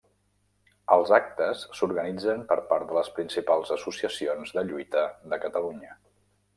Els actes s'organitzen per part de les principals associacions de lluita de Catalunya.